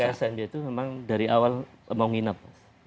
dpr cnb itu memang dari awal mau menginap